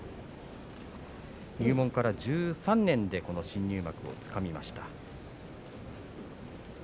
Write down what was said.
入門から１３年でこの新入幕をつかみました。